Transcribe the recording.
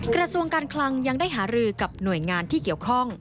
กระทรวงการคลังยังได้หารือกับหน่วยงานที่เกี่ยวข้อง